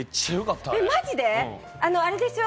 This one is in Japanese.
マジであれでしょ。